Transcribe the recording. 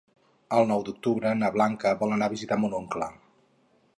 El nou d'octubre na Blanca vol anar a visitar mon oncle.